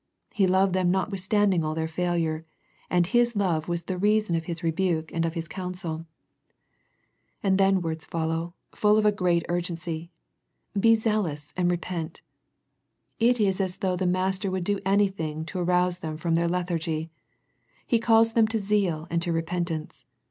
He loved them notwith standing all their failure, and His love was the reason of His rebuke and of His counsel. ^ y 20 8 A First Century Message And then words follow, full of a great urgency, " Be zealous and repent." It is as though the Master would do anything to arouse them from their lethargy. He calls them to zeal and to repentance.